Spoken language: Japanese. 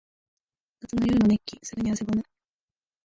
夏の夜の熱気。すぐに汗ばむ。